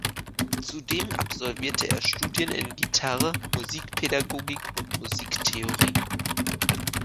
Zudem absolvierte er Studien in Gitarre, Musikpädagogik und Musiktheorie.